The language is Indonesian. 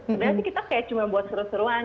sebenarnya sih kita kayak cuma buat seru seruan